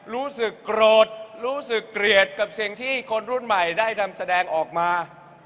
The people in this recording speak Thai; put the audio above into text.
รู้สึกโกรธรู้สึกเกลียดกับสิ่งที่คนรุ่นใหม่ได้นำแสดงออกมา